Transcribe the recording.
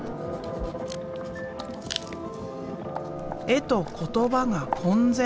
絵と言葉が混然